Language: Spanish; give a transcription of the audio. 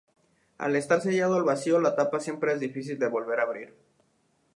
Al estar sellado al vacío la tapa siempre es difícil de volver a abrir.